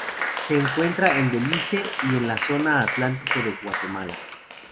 Se encuentra en Belice y en la zona atlántico de Guatemala.